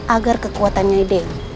agar kekuatan nyai dewi